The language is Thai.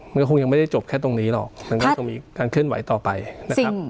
มันคงยังไม่ได้จบแค่ตรงนี้หรอกมันก็คงมีการเคลื่อนไหวต่อไปนะครับ